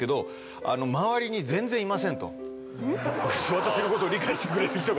私のことを理解してくれる人が。